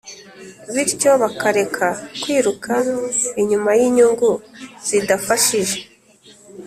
bityo bakareka kwiruka inyuma y’inyungu zidafashije.